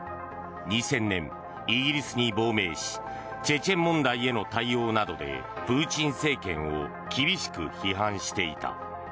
２０００年イギリスに亡命しチェチェン問題への対応などでプーチン政権を厳しく批判していた。